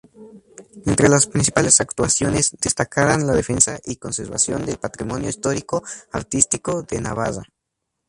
Entre las principales actuaciones, destacaron la defensa y conservación del patrimonio histórico-artístico de Navarra.